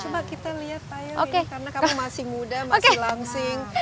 coba kita lihat tayang ini karena kamu masih muda masih langsing